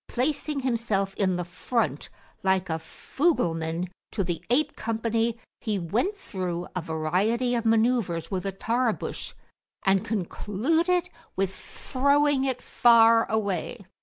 Placing himself in the front, like a fugleman to the ape company, he went through a variety of manuvres with a Tarbush, and concluded with throwing it far away.